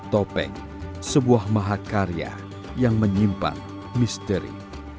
topeng sebuah mahakarya yang menyimpan misteri